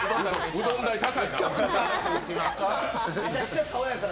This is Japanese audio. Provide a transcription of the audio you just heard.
うどん代、高いな。